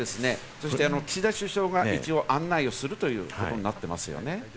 そして岸田首相が一応、案内するということになっています。